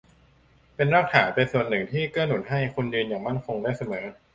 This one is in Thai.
เป็นรากฐานเป็นส่วนที่เกื้อหนุนให้คุณยืนอย่างมั่นคงได้เสมอ